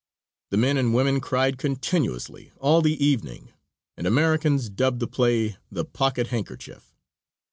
The men and women cried continuously all the evening, and Americans dubbed the play "The Pocket Handkerchief."